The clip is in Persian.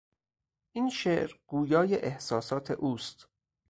این شعر گویای احساسات اوست.